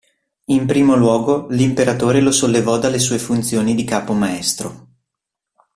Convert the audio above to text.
In primo luogo, l'imperatore lo sollevò delle sue funzioni di capo maestro.